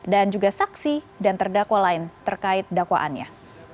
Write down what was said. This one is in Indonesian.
dan juga saksi dan terdakwa lain terkait dakwaannya